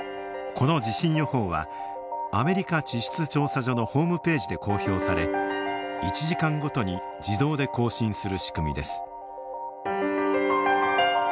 この地震予報はアメリカ地質調査所のホームページで公表され１時間ごとに自動で更新する仕組みです。